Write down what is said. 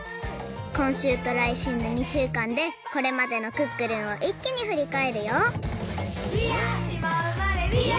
こんしゅうとらいしゅうの２しゅうかんでこれまでの「クックルン」をいっきにふりかえるよ！